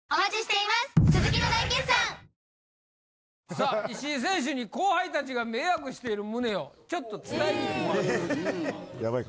さあ石井選手に後輩たちが迷惑してる旨をちょっと伝えに行ってきました。